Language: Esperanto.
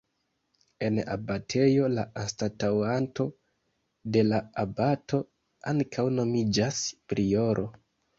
En abatejo la anstataŭanto de la abato ankaŭ nomiĝas prioro.